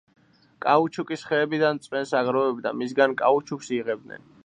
კაუჩუკის ხეებიდან წვენს აგროვებდა მისგან კაუჩუკს იღებდნენ.